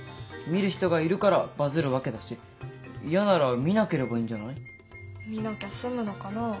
見る人がいるからバズるわけだし嫌なら見なければいいんじゃない？見なきゃ済むのかな？